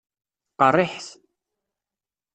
Qeṛṛiḥet.